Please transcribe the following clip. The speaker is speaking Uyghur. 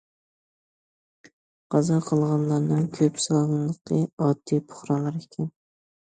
قازا قىلغانلارنىڭ كۆپ سانلىقى ئاددىي پۇقرالار ئىكەن.